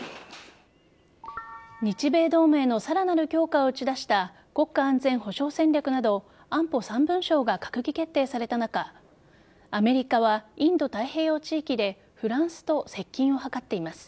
日米同盟のさらなる強化を打ち出した国家安全保障戦略など安保３文書が閣議決定された中アメリカはインド太平洋地域でフランスと接近を図っています。